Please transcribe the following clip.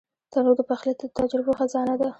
تنور د پخلي د تجربو خزانه ده